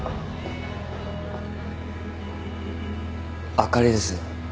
あかりです